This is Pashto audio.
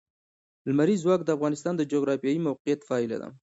لمریز ځواک د افغانستان د جغرافیایي موقیعت پایله ده.